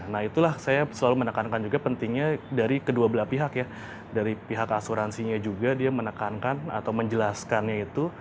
nah itulah saya selalu menekankan juga pentingnya dari kedua belah pihak ya dari pihak asuransinya juga dia menekankan atau menjelaskannya itu